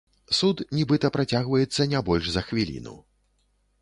Суд, нібыта, працягваецца не больш за хвіліну.